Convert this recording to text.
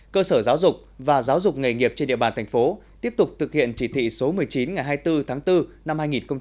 cơ sở giáo dục và giáo dục nghề nghiệp trên địa bàn thành phố tiếp tục thực hiện chỉ thị số một mươi chín ngày hai mươi bốn tháng bốn năm hai nghìn hai mươi